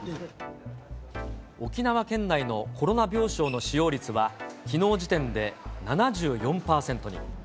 沖縄県内のコロナ病床の使用率は、きのう時点で７４％に。